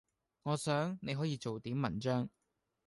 “我想，你可以做點文章……”